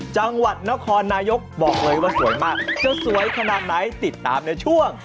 จังหวัดนครนายกบอกเลยว่าสวยมากจะสวยขนาดไหนติดตามในช่วง